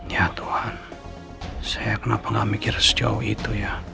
ya tuhan saya kenapa gak mikir sejauh itu ya